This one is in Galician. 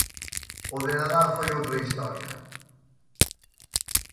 O de Nadal foi outra historia.